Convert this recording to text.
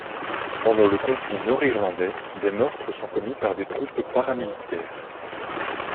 Pendant le conflit nord-irlandais, des meurtres sont commis par des troupes paramilitaires.